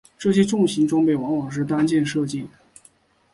这些重型装备往往是单件设计。